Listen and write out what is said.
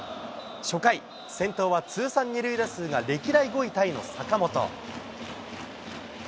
初回、先頭は通算２塁打数が歴代５位タイの坂本。